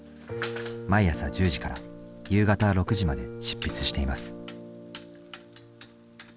毎朝１０時から夕方６時まで執筆しています。